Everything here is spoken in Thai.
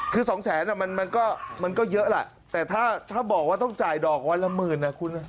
คือสองแสนมันก็มันก็เยอะแหละแต่ถ้าบอกว่าต้องจ่ายดอกวันละหมื่นนะคุณ